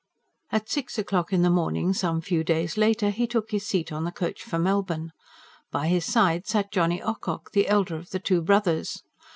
At six o'clock in the morning some few days later, he took his seat in the coach for Melbourne. By his side sat Johnny Ocock, the elder of the two brothers.